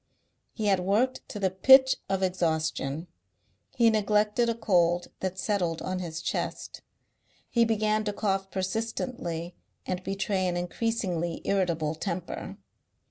He had worked to the pitch of exhaustion. He neglected a cold that settled on his chest. He began to cough persistently and betray an increasingly irritable temper.